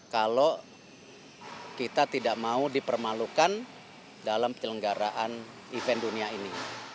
kalau kita tidak mau dipermalukan dalam penyelenggaraan event dunia ini